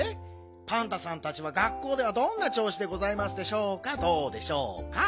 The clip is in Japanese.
パンタさんたちは学校ではどんなちょう子でございますでしょうかどうでしょうか？